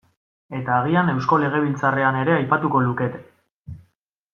Eta agian Eusko Legebiltzarrean ere aipatuko lukete.